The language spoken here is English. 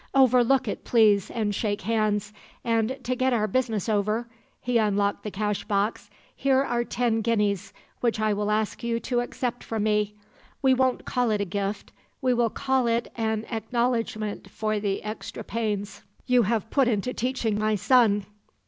Overlook it, please, and shake hands; and, to get our business over,' he unlocked the cashbox 'here are ten guineas, which I will ask you to accept from me. We won't call it a gift; we will call it an acknowledgement for the extra pains you have put into teaching my son.